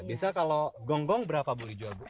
biasanya kalau gonggong berapa boleh dijual bu